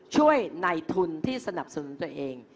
ในทุนที่สนับสนุนตัวเอง